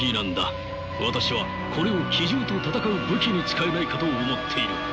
私はこれを奇獣と戦う武器に使えないかと思っている。